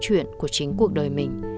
chuyện của chính cuộc đời mình